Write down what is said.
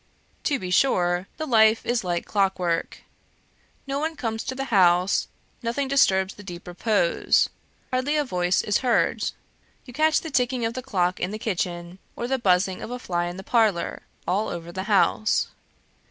To be sure, the life is like clock work. No one comes to the house; nothing disturbs the deep repose; hardly a voice is heard; you catch the ticking of the clock in the kitchen, or the buzzing of a fly in the parlour, all over the house.